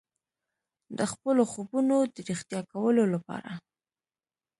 د خپلو خوبونو د ریښتیا کولو لپاره.